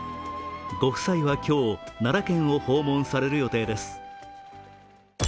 ご夫妻は今日、奈良県を訪問される予定です。